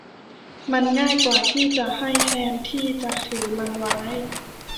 มันง่ายกว่าที่จะให้แทนที่จะถือมันไว้